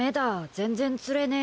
全然釣れねえ。